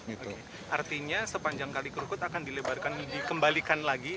artinya sepanjang kalik krukut akan dilebarkan dikembalikan lagi